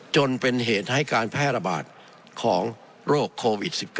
จนเป็นเหตุให้การแพร่ระบาดของโรคโควิด๑๙